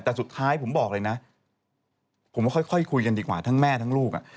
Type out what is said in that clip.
แต่สุดท้ายผมบอกเลยนะผมว่าค่อยคุยกันดีกว่าทั้งแม่ทั้งลูก